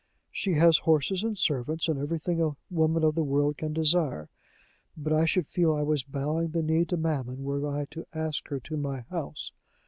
"She has horses and servants, and everything a woman of the world can desire; but I should feel I was bowing the knee to Mammon were I to ask her to my house.